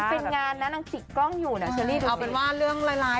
มันเป็นงานนะน้องจิ๊กกล้องอยู่นะเอาเป็นว่าเรื่องร้ายร้าย